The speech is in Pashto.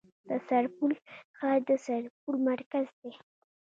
د سرپل ښار د سرپل مرکز دی